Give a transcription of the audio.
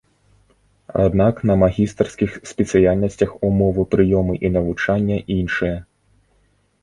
Аднак на магістарскіх спецыяльнасцях умовы прыёму і навучання іншыя.